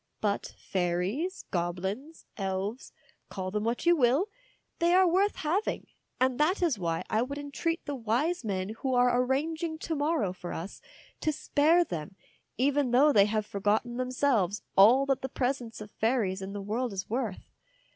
But fairies, goblins, elves, call them what you will, they are worth having, and that is why I would entreat the wise men who are arranging to morrow for us to spare them, even though they have forgotten them selves all that the presence of fairies in the world is worth.